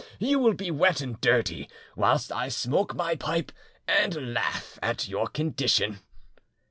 You will be wet and dirty, whilst I smoke my pipe and laugh at your condition."